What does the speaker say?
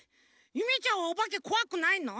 ゆめちゃんはおばけこわくないの？